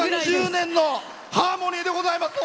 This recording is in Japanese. ３０年のハーモニーでございました。